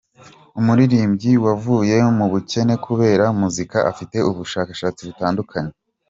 muririmbyi wavuye mu bukene kubera muzika, afite ubushabitsi butandukanye.